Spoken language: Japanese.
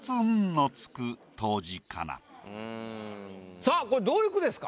さぁこれどういう句ですか？